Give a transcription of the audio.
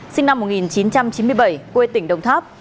sinh năm một nghìn chín trăm chín mươi bảy quê tỉnh đồng tháp